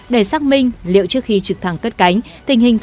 để xác minh liệu trước khi trực thăng cất cánh